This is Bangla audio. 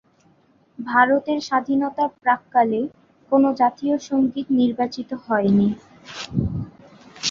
ভারতের স্বাধীনতার প্রাক্কালে কোনো জাতীয় সংগীত নির্বাচিত হয়নি।